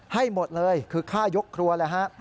ให้หมดเลยคือค่ายกครัวเลยฮะ